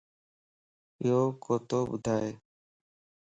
يو ڪوتو ٻڌئي